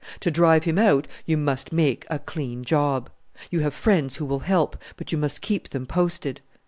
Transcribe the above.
To drive him out you must make a clean job. You have friends who will help, but you must keep them posted."